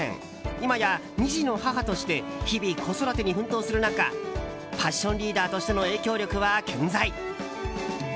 今や２児の母として日々、子育てに奮闘する中ファッションリーダーとしての影響力は健在。